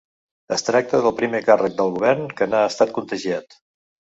Es tracta del primer càrrec del govern que n’ha estat contagiat.